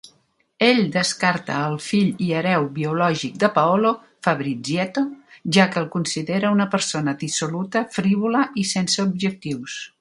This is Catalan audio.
Ell descarta al fill i hereu biològic de Paolo, Fabrizietto, ja que el considera una persona dissoluta, frívola i sense objectius.